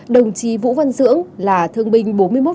đồng chí vũ văn dưỡng là thương binh bốn mươi một